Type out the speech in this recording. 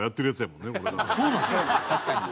確かに。